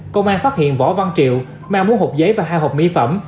công an phát hiện võ văn triệu mang bốn hộp giấy và hai hộp mỹ phẩm